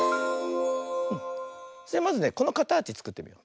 まずねこのかたちつくってみよう。